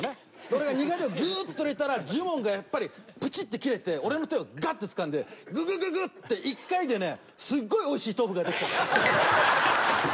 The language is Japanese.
俺がにがりをギューッと入れたらジモンがやっぱりプチッてキレて俺の手をガッてつかんでググググッて一回でねすごい美味しい豆腐ができちゃった。